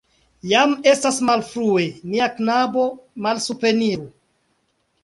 Jam estas malfrue, mia knabo, malsupreniru.